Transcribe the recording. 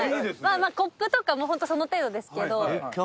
まあまあコップとかホントその程度ですけど。